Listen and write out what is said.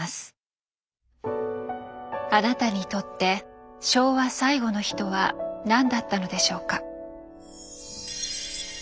あなたにとって「昭和最後の日」とは何だったのでしょうか？